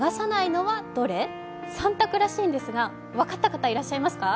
三択らしいんですが分かった方いらっしゃいますか？